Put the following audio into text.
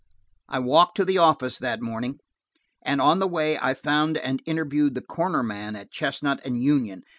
I walked to the office that morning, and on the way I found and interviewed the corner man at Chestnut and Union.